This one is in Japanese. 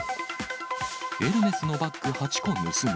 エルメスのバッグ８個盗む。